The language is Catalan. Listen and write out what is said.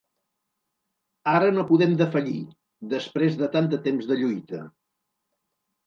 Ara no podem defallir, després de tant temps de lluita.